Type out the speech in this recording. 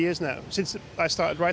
sejak saya mulai menulis tentangnya